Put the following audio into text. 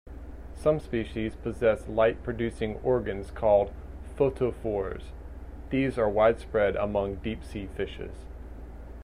Some species possess light-producing organs called photophores; these are widespread among deep-sea fishes.